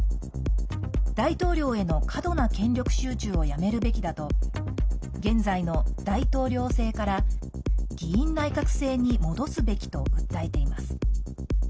大統領への過度な権力集中をやめるべきだと現在の大統領制から議院内閣制に戻すべきと訴えています。